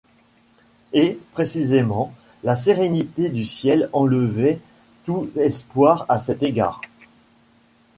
Et, précisément, la sérénité du ciel enlevait tout espoir à cet égard.